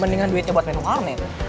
mendingan duitnya buat main warnet